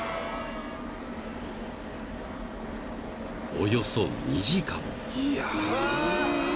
［およそ２時間］